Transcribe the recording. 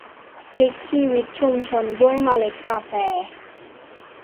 พลิกชีวิตชุมชนด้วยเมล็ดกาแฟ